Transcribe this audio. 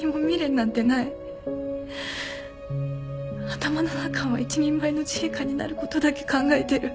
頭の中は一人前の自衛官になることだけ考えてる。